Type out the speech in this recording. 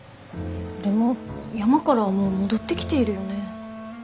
でも山からはもう戻ってきているよね。